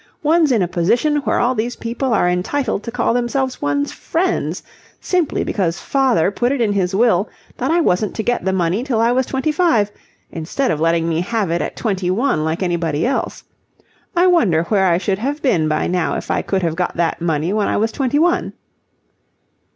One's in a position where all these people are entitled to call themselves one's friends, simply because father put it in his will that I wasn't to get the money till I was twenty five, instead of letting me have it at twenty one like anybody else. I wonder where I should have been by now if I could have got that money when I was twenty one."